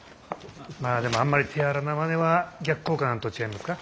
まあでもあんまり手荒なまねは逆効果なんとちゃいますか。